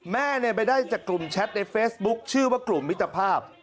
แม่ไปได้จากกลุ่มแชทในเฟซบุ๊คชื่อว่ากลุ่มมิตรภาพ